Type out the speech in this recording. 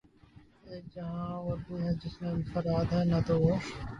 اک جہاں اور بھی ہے جس میں نہ فردا ہے نہ دوش